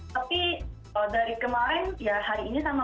tapi dari kemarin ya hari ini sama